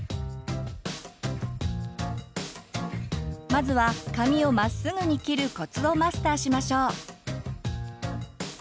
まずは髪をまっすぐに切るコツをマスターしましょう。